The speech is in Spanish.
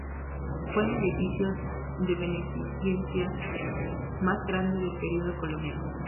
Fue el edificio de beneficencia más grande del periodo colonial.